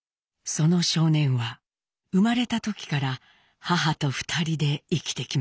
その少年は生まれた時から母と２人で生きてきました。